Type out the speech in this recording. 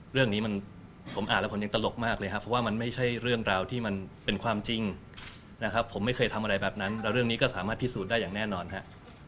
เรื่องนี้มันผมอ่านแล้วผมยังตลกมากเลยครับเพราะว่ามันไม่ใช่เรื่องราวที่มันเป็นความจริงนะครับผมไม่เคยทำอะไรแบบนั้นแล้วเรื่องนี้ก็สามารถพิสูจน์ได้อย่างแน่นอนฮะ